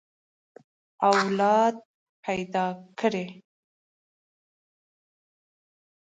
اولاد پيدا کړه.